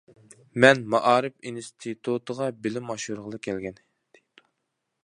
مەن مائارىپ ئىنستىتۇتىغا بىلىم ئاشۇرغىلى كەلگەن.